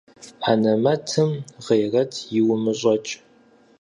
Анэмэтым гъейрэт иумыщӀэкӀ.